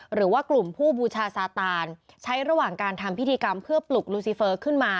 หรือว่ากลุ่มผู้บูชาซาตานใช้ระหว่างการทำพิธีกรรมเพื่อปลุกลูซีเฟอร์ขึ้นมา